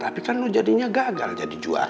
tapi kan lo jadinya gagal jadi juara